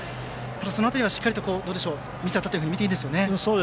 その辺りは、しっかりと見せたとみていいですよね。